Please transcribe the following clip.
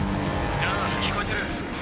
ああ聞こえてる。